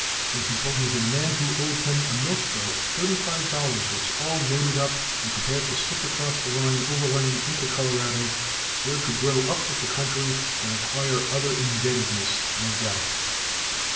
Then he told me that a man who owed him a milk bill of $35 was all loaded up and prepared to slip across the line overland into Colorado, there to grow up with the country and acquire other indebtedness, no doubt.